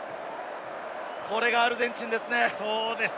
これがアルゼンチンですね。